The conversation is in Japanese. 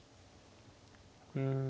うん。